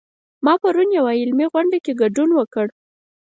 ما پرون یوه علمي غونډه کې ګډون وکړ